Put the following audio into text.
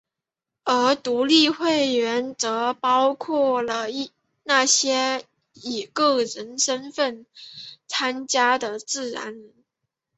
而独立会员则包含了那些以个人身份参加的自然人。